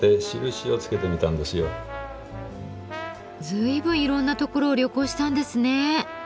随分いろんなところを旅行したんですね。